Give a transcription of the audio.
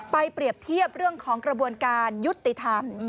เปรียบเทียบเรื่องของกระบวนการยุติธรรม